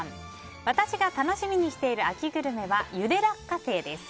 私が楽しみにしている秋グルメはゆで落花生です。